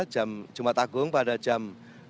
jam jumat agung pada jam dua belas